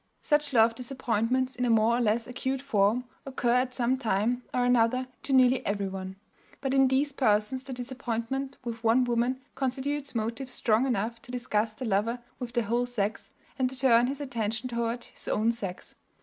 Such love disappointments, in a more or less acute form, occur at some time or another to nearly everyone. But in these persons the disappointment with one woman constitutes motive strong enough to disgust the lover with the whole sex and to turn his attention toward his own sex.